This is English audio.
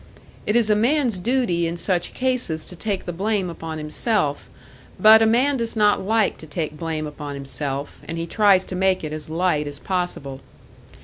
It is a man's duty in such cases to take the blame upon himself; but a man does not like to take blame upon himself, and he tries to make it as light as possible.